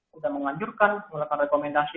sudah mengajurkan melakukan rekomendasi